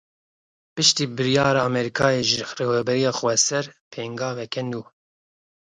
Piştî biryara Amerîkayê ji Rêveberiya Xweser pêngaveke nû.